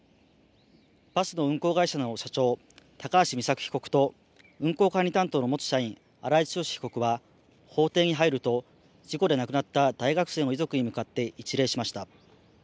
バスの運行会社の社長、高橋美作被告と運行管理担当の元社員、荒井強被告は法廷に入ると事故で亡くなった大学生の遺族に向かって一礼しました。